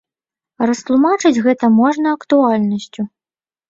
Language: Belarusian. Растлумачыць гэта можна актуальнасцю.